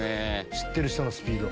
知ってる人のスピード。